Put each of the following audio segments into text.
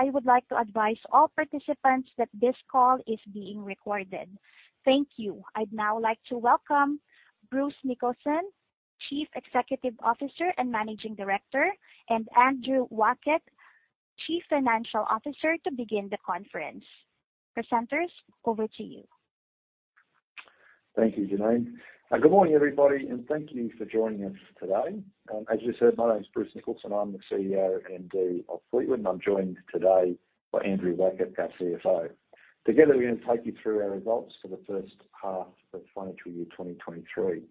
I would like to advise all participants that this call is being recorded. Thank you. I'd now like to welcome Bruce Nicholson, Chief Executive Officer and Managing Director, and Andrew Wackett, Chief Financial Officer, to begin the conference. Presenters, over to you. Thank you, Janine. Good morning, everybody, and thank you for joining us today. As you said, my name is Bruce Nicholson. I'm the CEO and MD of Fleetwood, and I'm joined today by Andrew Wackett, our CFO. Together, we're gonna take you through our results for the first half of financial year 2023.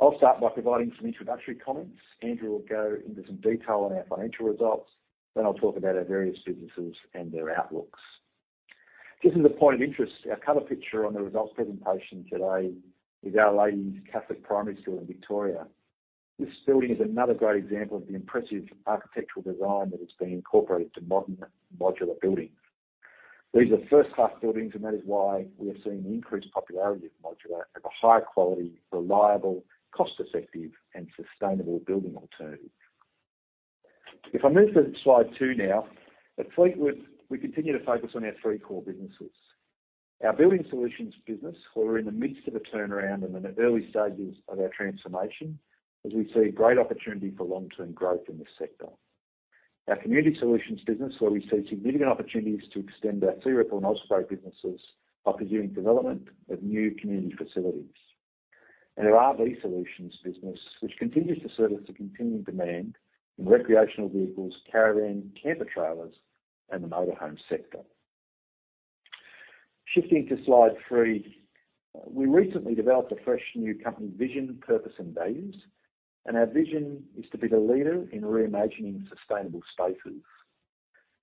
I'll start by providing some introductory comments. Andrew will go into some detail on our financial results. I'll talk about our various businesses and their outlooks. Just as a point of interest, our cover picture on the results presentation today is Our Lady's Catholic Primary School in Victoria. This building is another great example of the impressive architectural design that is being incorporated to modern modular buildings. These are first-class buildings. That is why we are seeing increased popularity of modular as a high-quality, reliable, cost-effective and sustainable building alternative. If I move to slide 2 now, at Fleetwood, we continue to focus on our three core businesses. Our Building Solutions business, where we're in the midst of a turnaround and in the early stages of our transformation, as we see great opportunity for long-term growth in this sector. Our Community Solutions business, where we see significant opportunities to extend our Searipple and Osprey businesses by pursuing development of new community facilities. Our RV Solutions business, which continues to service the continuing demand in recreational vehicles, caravan, camper trailers, and the motor home sector. Shifting to slide three, we recently developed a fresh new company vision, purpose, and values. Our vision is to be the leader in reimagining sustainable spaces.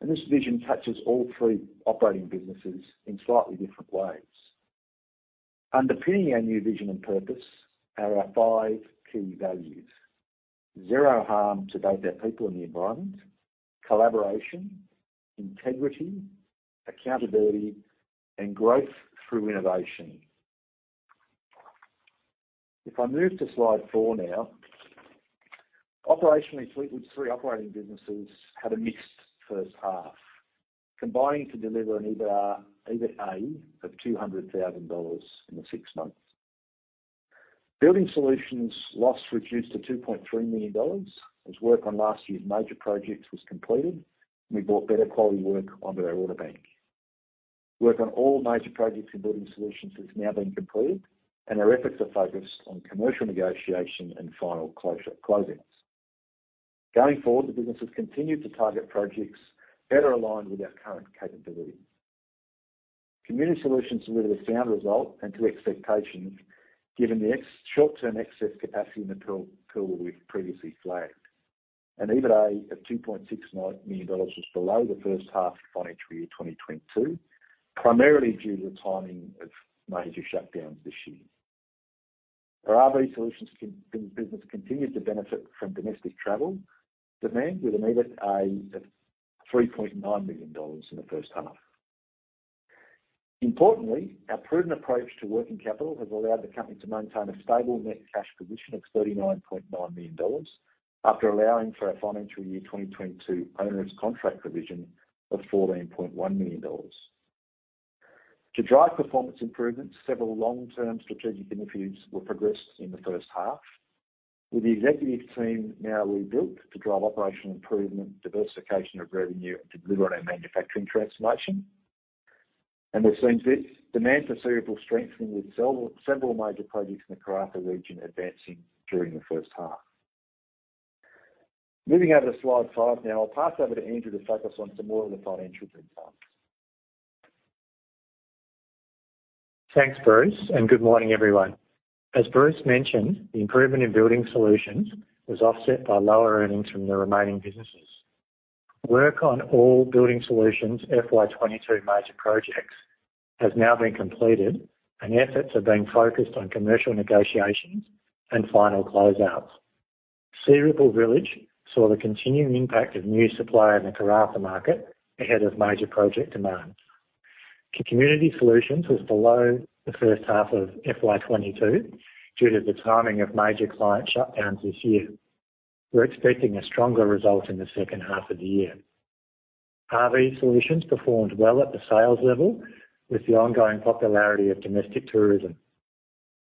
This vision touches all three operating businesses in slightly different ways. Underpinning our new vision and purpose are our five key values. Zero harm to both our people and the environment, collaboration, integrity, accountability, and growth through innovation. If I move to slide four now. Operationally, Fleetwood's three operating businesses had a mixed first half, combining to deliver an EBIT-EBITDA of AUD 200,000 in the six months. Building Solutions' loss reduced to 2.3 million dollars as work on last year's major projects was completed, and we brought better quality work onto our order bank. Work on all major projects in Building Solutions has now been completed and our efforts are focused on commercial negotiation and final closure-closeouts. Going forward, the business has continued to target projects better aligned with our current capabilities. Community Solutions delivered a sound result and to expectations, given the ex-short-term excess capacity in the pool we've previously flagged. An EBITDA of $2.69 million was below the first half financial year 2022, primarily due to the timing of major shutdowns this year. RV Solutions business continues to benefit from domestic travel demand with an EBITDA of $3.9 million in the first half. Importantly, our prudent approach to working capital has allowed the company to maintain a stable net cash position of $39.9 million after allowing for our financial year 2022 onerous contract provision of $14.1 million. To drive performance improvements, several long-term strategic initiatives were progressed in the first half, with the executive team now rebuilt to drive operational improvement, diversification of revenue, and deliver on our manufacturing transformation. We've seen this demand for Searipple strengthening with several major projects in the Karratha region advancing during the first half. Moving over to slide 5 now, I'll pass over to Andrew to focus on some more of the financial details. Thanks, Bruce. Good morning, everyone. As Bruce mentioned, the improvement in Building Solutions was offset by lower earnings from the remaining businesses. Work on all Building Solutions FY22 major projects has now been completed and efforts are being focused on commercial negotiations and final closeouts. Searipple Village saw the continuing impact of new supply in the Karratha market ahead of major project demands. Community Solutions was below the first half of FY22 due to the timing of major client shutdowns this year. We're expecting a stronger result in the second half of the year. RV Solutions performed well at the sales level with the ongoing popularity of domestic tourism.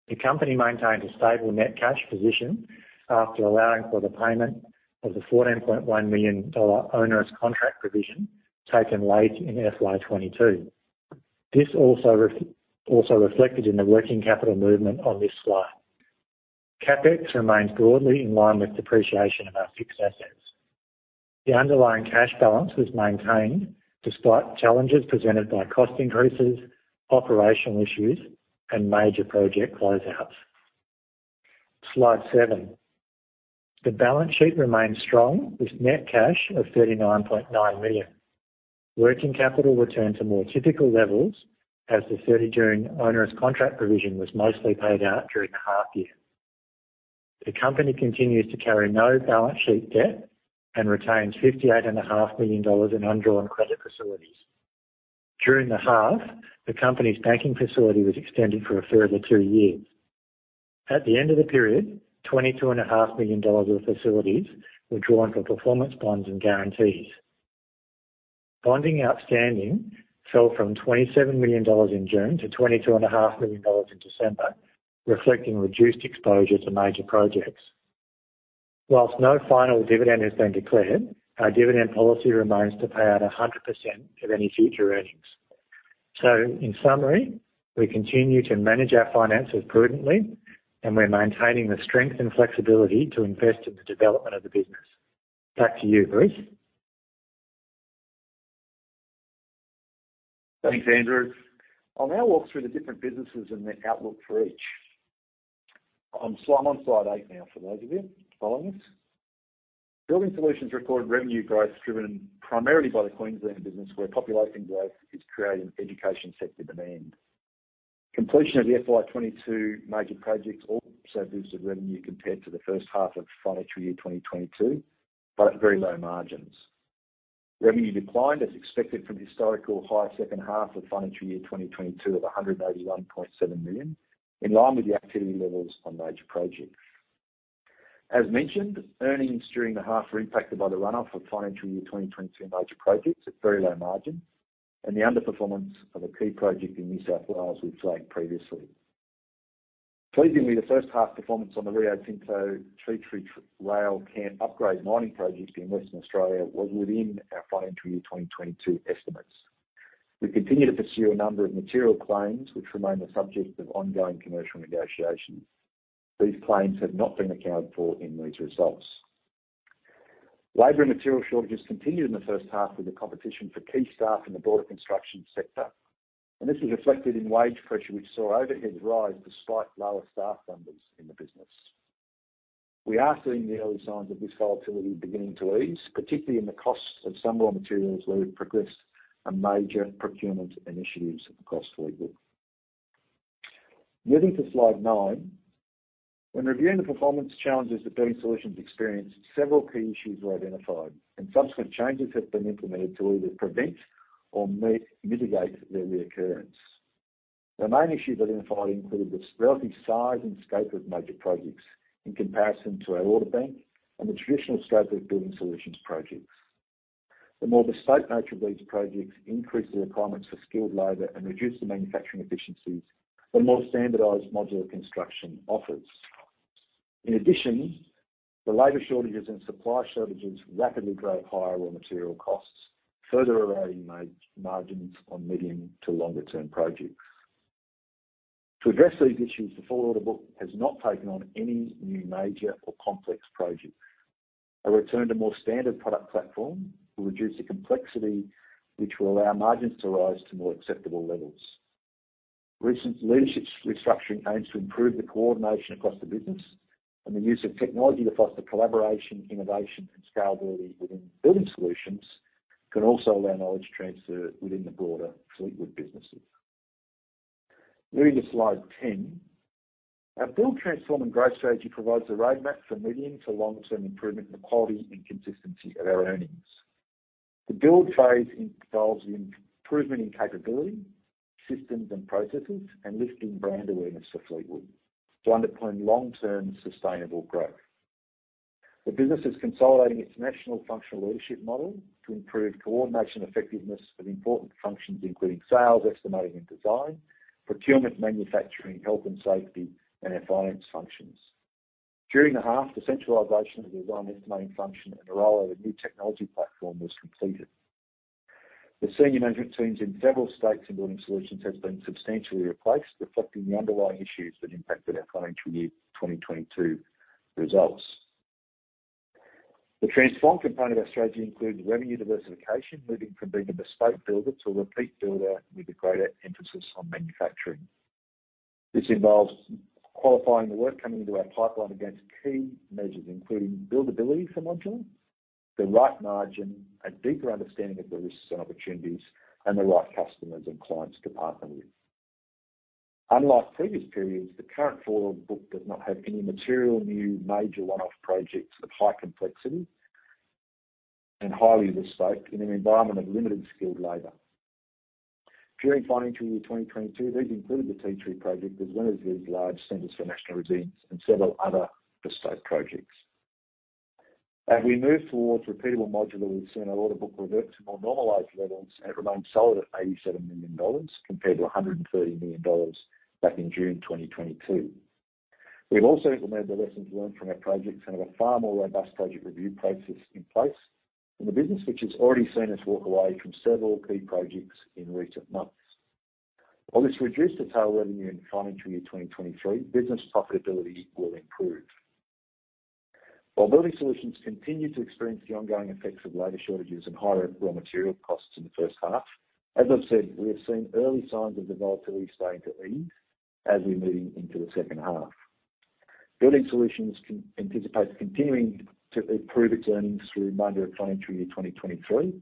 The company maintained a stable net cash position after allowing for the payment of the 14.1 million dollar onerous contract provision taken late in FY22. This also reflected in the working capital movement on this slide. CapEx remains broadly in line with depreciation of our fixed assets. The underlying cash balance was maintained despite challenges presented by cost increases, operational issues, and major project closeouts. Slide 7. The balance sheet remains strong with net cash of 39.9 million. Working capital returned to more typical levels as the 30 million onerous contract provision was mostly paid out during the half year. The company continues to carry no balance sheet debt and retains 58.5 million dollars in undrawn credit facilities. During the half, the company's banking facility was extended for a further two years. At the end of the period, 22.5 million dollars of facilities were drawn for performance bonds and guarantees. Bonding outstanding fell from 27 million dollars in June to twenty-two and a half million dollars in December, reflecting reduced exposure to major projects. Whilst no final dividend has been declared, our dividend policy remains to pay out 100% of any future earnings. In summary, we continue to manage our finances prudently and we're maintaining the strength and flexibility to invest in the development of the business. Back to you, Bruce. Thanks, Andrew. I'll now walk through the different businesses and the outlook for each. I'm on slide 8 now for those of you following us. Building Solutions recorded revenue growth driven primarily by the Queensland business, where population growth is creating education sector demand. Completion of the FY22 major projects also boosted revenue compared to the first half of financial year 2022, but at very low margins. Revenue declined as expected from the historical high second half of financial year 2022 of 181.7 million, in line with the activity levels on major projects. As mentioned, earnings during the half were impacted by the runoff of financial year 2022 major projects at very low margin and the underperformance of a key project in New South Wales we've flagged previously. Pleasingly, the first half performance on the Rio Tinto Ti Tree Rail camp upgrade mining project in Western Australia was within our financial year 2022 estimates. We continue to pursue a number of material claims which remain the subject of ongoing commercial negotiations. These claims have not been accounted for in these results. Labor and material shortages continued in the first half with the competition for key staff in the broader construction sector. This is reflected in wage pressure which saw overheads rise despite lower staff numbers in the business. We are seeing the early signs of this volatility beginning to ease, particularly in the costs of some raw materials where we've progressed major procurement initiatives across Fleetwood. Moving to slide 9. When reviewing the performance challenges that Building Solutions experienced, several key issues were identified, and subsequent changes have been implemented to either prevent or mitigate their reoccurrence. The main issues identified included the relative size and scope of major projects in comparison to our order bank and the traditional scope of Building Solutions projects. The more bespoke nature of these projects increased the requirements for skilled labor and reduced the manufacturing efficiencies, the more standardized modular construction offers. In addition, the labor shortages and supply shortages rapidly drove higher raw material costs, further eroding margins on medium to longer term projects. To address these issues, the forward order book has not taken on any new major or complex projects. A return to more standard product platform will reduce the complexity which will allow margins to rise to more acceptable levels. Recent leadership restructuring aims to improve the coordination across the business and the use of technology to foster collaboration, innovation and scalability within Building Solutions can also allow knowledge transfer within the broader Fleetwood businesses. Moving to slide 10. Our build transform and growth strategy provides a roadmap for medium to long term improvement in the quality and consistency of our earnings. The build phase involves the improvement in capability, systems and processes, and lifting brand awareness for Fleetwood to underpin long-term sustainable growth. The business is consolidating its national functional leadership model to improve coordination effectiveness of important functions, including sales, estimating and design, procurement, manufacturing, health and safety, and our finance functions. During the half, the centralization of the design estimating function and the rollout of new technology platform was completed. The senior management teams in several states in Building Solutions has been substantially replaced, reflecting the underlying issues that impacted our financial year 2022 results. The transform component of our strategy includes revenue diversification, moving from being a bespoke builder to a repeat builder with a greater emphasis on manufacturing. This involves qualifying the work coming into our pipeline against key measures, including buildability for modular, the right margin, a deeper understanding of the risks and opportunities, and the right customers and clients to partner with. Unlike previous periods, the current forward book does not have any material new major one-off projects of high complexity and highly bespoke in an environment of limited skilled labor. During financial year 2022, these included the Ti Tree project as well as these large Centres for National Resilience and several other bespoke projects. As we move towards repeatable modular, we've seen our order book revert to more normalized levels and it remains solid at 87 million dollars compared to 130 million dollars back in June 2022. We've also implemented the lessons learned from our projects and have a far more robust project review process in place in the business, which has already seen us walk away from several key projects in recent months. While this reduced the total revenue in financial year 2023, business profitability will improve. While Building Solutions continue to experience the ongoing effects of labor shortages and higher raw material costs in the first half, as I've said, we have seen early signs of the volatility starting to ease as we move into the second half. Building Solutions anticipates continuing to improve its earnings through remainder of financial year 2023.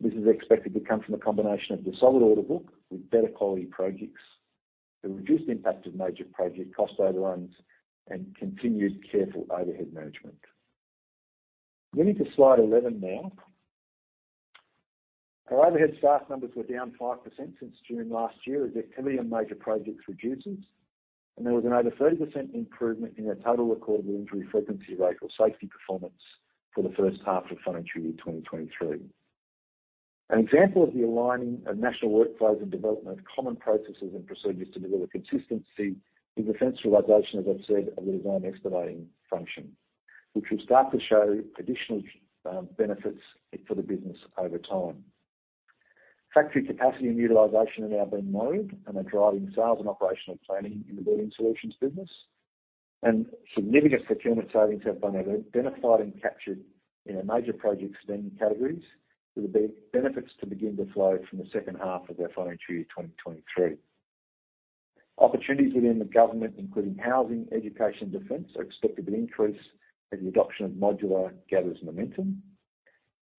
This is expected to come from a combination of the solid order book with better quality projects, the reduced impact of major project cost overruns, and continued careful overhead management. Moving to slide 11 now. Our overhead staff numbers were down 5% since June last year as activity on major projects reduces, and there was an over 30% improvement in our total recordable injury frequency rate or safety performance for the first half of financial year 2023. An example of the aligning of national workflows and development of common processes and procedures to deliver consistency is the centralization, as I've said, of the design expediting function, which will start to show additional benefits for the business over time. Factory capacity and utilization are now being monitored and are driving sales and operational planning in the Building Solutions business. Significant procurement savings have been identified and captured in our major project spending categories, with the benefits to begin to flow from the second half of our financial year 2023. Opportunities within the government, including housing, education, defense, are expected to increase as the adoption of modular gathers momentum.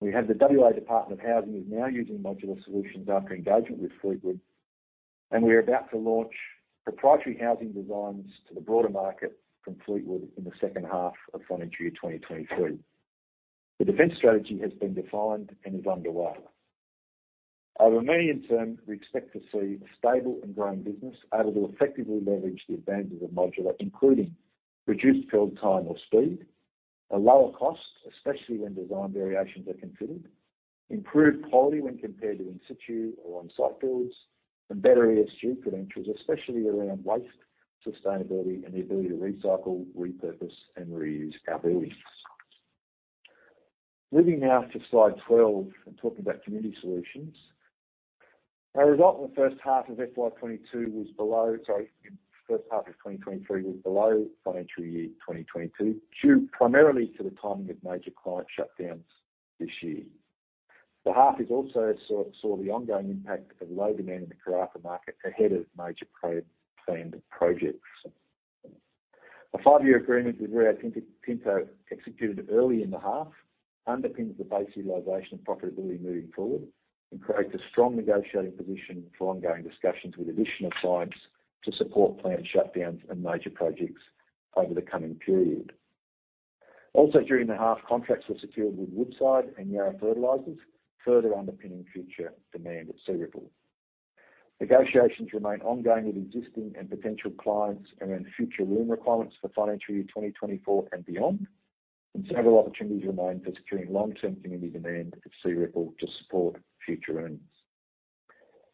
The WA Department of Housing is now using modular solutions after engagement with Fleetwood, and we are about to launch proprietary housing designs to the broader market from Fleetwood in the second half of financial year 2023. The defense strategy has been defined and is underway. Over medium term, we expect to see a stable and growing business able to effectively leverage the advantages of modular including reduced build time or speed, a lower cost, especially when design variations are considered, improved quality when compared to in situ or on-site builds, and better ESG credentials, especially around waste, sustainability, and the ability to recycle, repurpose, and reuse our buildings. Moving now to slide 12 and talking about Community Solutions. Our result in the first half of FY 2022 was below... Sorry, in first half of 2023 was below financial year 2022, due primarily to the timing of major client shutdowns this year. The half has also saw the ongoing impact of low demand in the Karratha market ahead of major pro-planned projects. A five-year agreement with Rio Tinto, executed early in the half, underpins the base utilization and profitability moving forward and creates a strong negotiating position for ongoing discussions with additional clients to support planned shutdowns and major projects over the coming period. During the half, contracts were secured with Woodside and Yara Fertilizers, further underpinning future demand at Searipple. Negotiations remain ongoing with existing and potential clients around future room requirements for financial year 2024 and beyond. Considerate opportunities remain for securing long-term community demand at Searipple to support future earnings.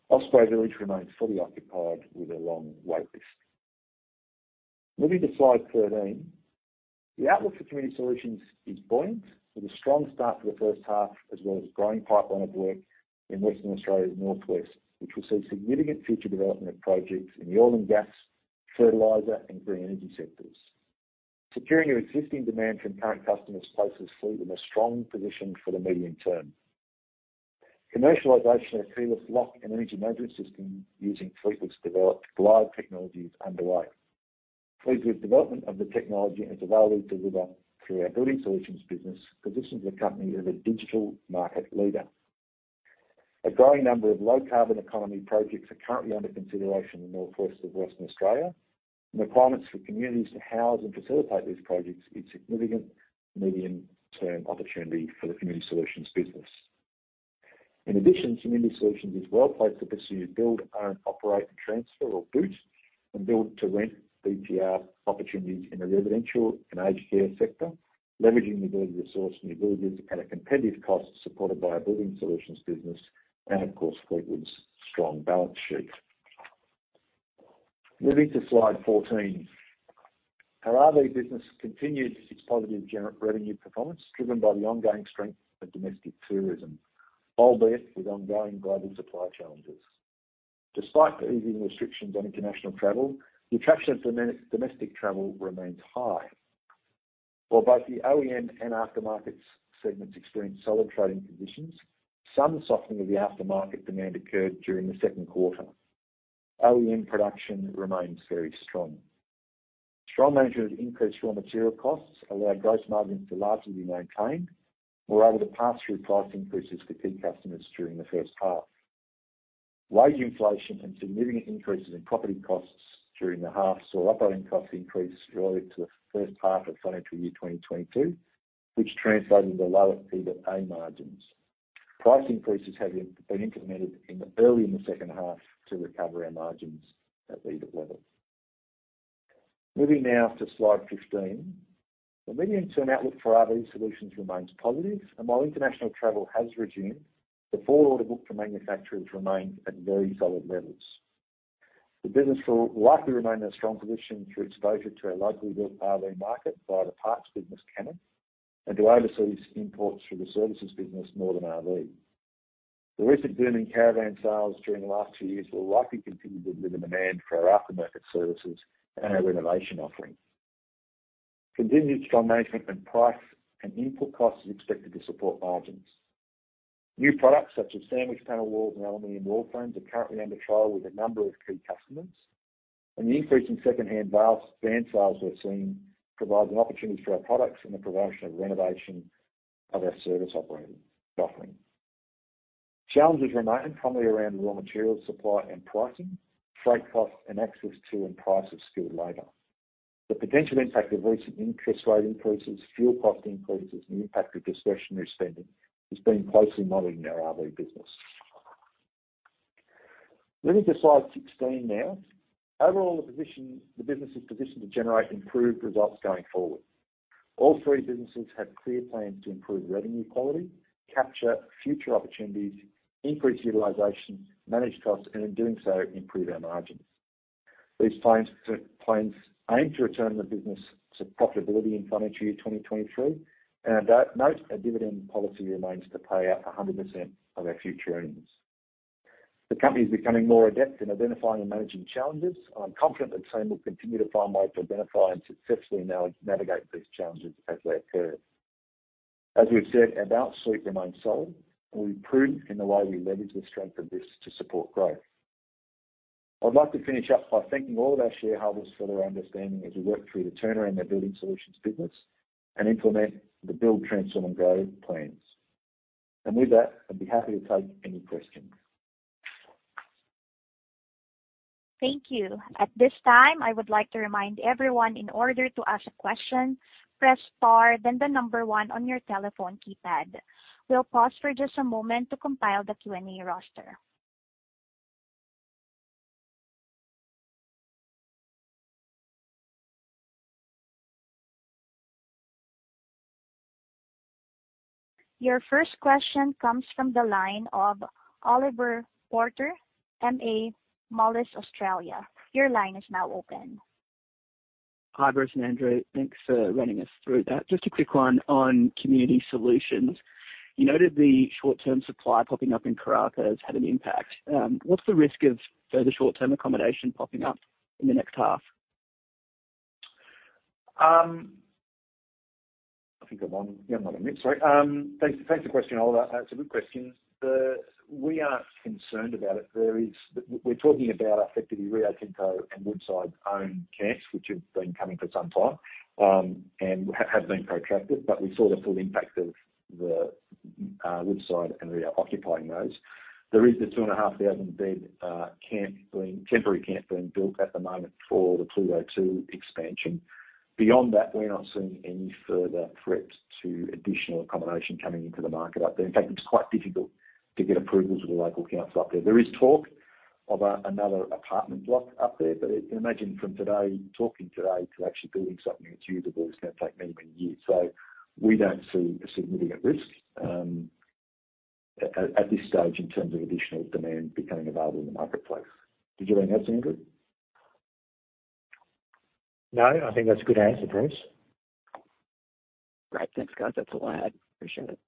Osprey Village remains fully occupied with a long wait list. Moving to slide 13. The outlook for Community Solutions is buoyant, with a strong start for the first half, as well as a growing pipeline of work in Western Australia's northwest, which will see significant future development of projects in the oil and gas, fertilizer, and green energy sectors. Securing existing demand from current customers places Fleetwood in a strong position for the medium term. Commercialization of Fleetwood's lock and energy management system using Fleetwood's developed Glyde technology is underway. Fleetwood's development of the technology as a value deliver through our Building Solutions business positions the company as a digital market leader. A growing number of low-carbon economy projects are currently under consideration in the northwest of Western Australia, the requirements for communities to house and facilitate these projects is significant medium-term opportunity for the Community Solutions business. Community Solutions is well-placed to pursue build, own, operate, and transfer or BOOT and build-to-rent, BTR, opportunities in the residential and aged care sector, leveraging the building resource and abilities at a competitive cost supported by our Building Solutions business and of course, Fleetwood's strong balance sheet. Moving to slide 14. Our RV business continued its positive revenue performance, driven by the ongoing strength of domestic tourism, albeit with ongoing global supply challenges. Despite the easing restrictions on international travel, the attraction of domestic travel remains high. While both the OEM and aftermarket segments experienced solid trading conditions, some softening of the aftermarket demand occurred during the second quarter. OEM production remains very strong. Strong management of increased raw material costs allowed gross margins to largely be maintained. We were able to pass through price increases to key customers during the first half. Wage inflation and significant increases in property costs during the half saw operating cost increases related to the first half of financial year 2022, which translated to lower EBITDA margins. Price increases have been implemented in the early in the second half to recover our margins at leaded levels. Moving now to slide 15. The medium-term outlook for RV Solutions remains positive, while international travel has resumed, the forward order book for manufacturers remains at very solid levels. The business will likely remain in a strong position through exposure to our locally built RV market via the parts business, Camec, and to overseas imports through the services business, Northern RV. The recent boom in caravan sales during the last two years will likely continue to deliver demand for our aftermarket services and our renovation offerings. Continued strong management and price and input costs is expected to support margins. New products such as sandwich panel walls and aluminum wall frames are currently under trial with a number of key customers. The increase in secondhand van sales we're seeing provides an opportunity for our products and the promotion of renovation of our service operating offering. Challenges remain primarily around raw material supply and pricing, freight costs, and access to and price of skilled labor. The potential impact of recent interest rate increases, fuel cost increases and the impact of discretionary spending is being closely monitored in our RV business. Moving to slide 16 now. Overall, the business is positioned to generate improved results going forward. All three businesses have clear plans to improve revenue quality, capture future opportunities, increase utilization, manage costs, and in doing so, improve our margins. These plans aim to return the business to profitability in financial year 2023. Note our dividend policy remains to pay out 100% of our future earnings. The company is becoming more adept in identifying and managing challenges. I'm confident the team will continue to find ways to identify and successfully navigate these challenges as they occur. As we've said, our balance sheet remains solid, and we're prudent in the way we leverage the strength of this to support growth. I'd like to finish up by thanking all of our shareholders for their understanding as we work through the turnaround of Building Solutions and implement the build, transform and grow plans. With that, I'd be happy to take any questions. Thank you. At this time, I would like to remind everyone, in order to ask a question, press star then the number one on your telephone keypad. We'll pause for just a moment to compile the Q&A roster. Your first question comes from the line of Oliver Porter, Macquarie Australia. Your line is now open. Hi, Bruce and Andrew. Thanks for running us through that. Just a quick one on Community Solutions. You noted the short-term supply popping up in Karratha has had an impact. What's the risk of further short-term accommodation popping up in the next half? I think I'm on. Yeah, I'm on mute. Sorry. Thanks, thanks for the question, Oliver. That's a good question. We aren't concerned about it. We're talking about effectively Rio Tinto and Woodside-owned camps, which have been coming for some time, and have been protracted. We saw the full impact of the Woodside and Rio occupying those. There is the 2,500 bed camp being temporary camp being built at the moment for the Pluto 2 expansion. Beyond that, we're not seeing any further threats to additional accommodation coming into the market up there. In fact, it's quite difficult to get approvals with the local council up there. There is talk of another apartment block up there. Imagine from today, talking today to actually building something that's usable, it's gonna take many, many years. We don't see a significant risk, at this stage in terms of additional demand becoming available in the marketplace. Did you want to add, Andrew? No, I think that's a good answer, Bruce. Great. Thanks, guys. That's all I had. Appreciate it.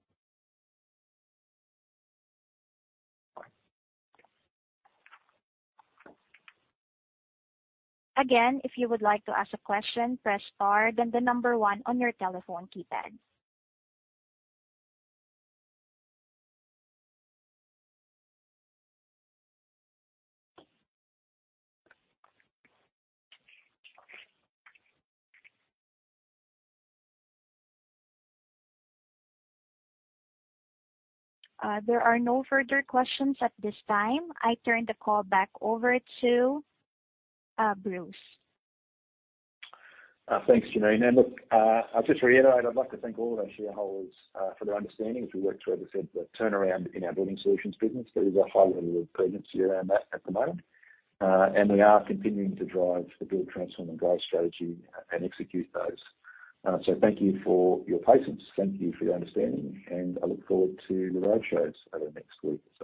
If you would like to ask a question, press star then 1 on your telephone keypad. There are no further questions at this time. I turn the call back over to Bruce. Thanks, Janine. Look, I'll just reiterate, I'd like to thank all of our shareholders for their understanding as we work through, as I said, the turnaround in our Building Solutions business. There is a high level of urgency around that at the moment. We are continuing to drive the build, transform, and grow strategy and execute those. Thank you for your patience. Thank you for your understanding, and I look forward to the roadshows over the next weeks.